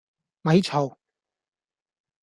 咪嘈